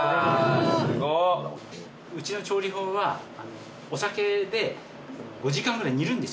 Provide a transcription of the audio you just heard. うちの調理法はお酒で５時間ぐらい煮るんですよ。